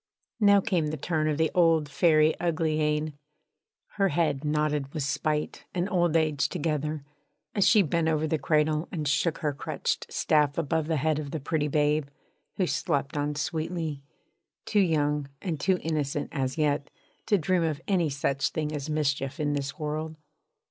Now came the turn of the old Fairy Uglyane. Her head nodded with spite and old age together, as she bent over the cradle and shook her crutched staff above the head of the pretty babe, who slept on sweetly, too young and too innocent as yet to dream of any such thing as mischief in this world.